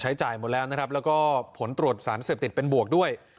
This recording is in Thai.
จ่ายหมดแล้วนะครับแล้วก็ผลตรวจสารเสพติดเป็นบวกด้วย